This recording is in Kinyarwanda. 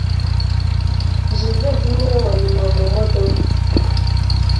Jivency niwe wanyuma mu modoka.